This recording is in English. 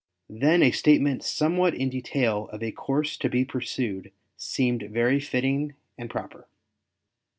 Then a statement somewhat in detail of a course to be pursued seemed very fitting and proper.